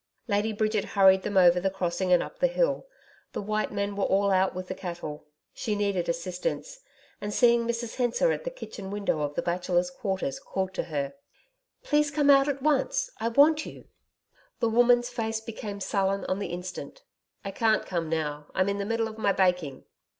Lady Bridget hurried them over the crossing and up the hill. The white men were all out with the cattle. She needed assistance, and seeing Mrs Hensor at the kitchen window of the Bachelors' Quarters, called to her. 'Please come out at once, I want you.' The woman's face became sullen on the instant. 'I can't come now. I'm in the middle of my baking.'